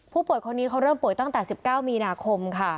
ผู้ป่วยคนนี้เขาเริ่มป่วยตั้งแต่๑๙มีนาคมค่ะ